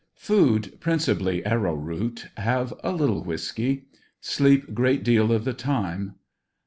Food principally arrow root; have a little whisky. Sleep great deal of the time.